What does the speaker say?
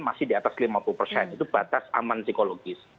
masih di atas lima puluh persen itu batas aman psikologis